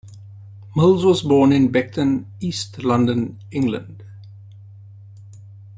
Mills was born in Beckton, East London, England.